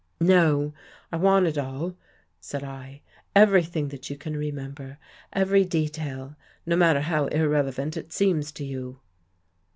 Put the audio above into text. " No. I want it all," said I, " everything that you can remember — every detail, no matter how irrelevant it seems to you."